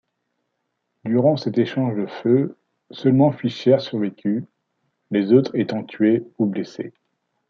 Durant cet échange de feu, seulement Fisher survécu, les autres étant tués ou blessés.